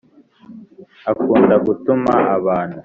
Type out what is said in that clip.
Akunda gutuma abantu